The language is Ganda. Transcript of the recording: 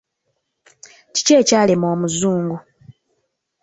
Kiki ekyalema omuzungu.